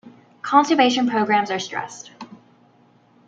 Conservation programs are stressed.